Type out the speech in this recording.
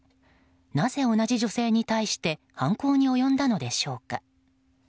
なぜ同じ女性に対して犯行に及んだのでしょうか。